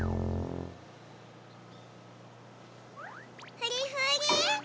ふりふり。